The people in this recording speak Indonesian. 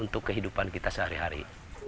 untuk kehidupan kita sehari hari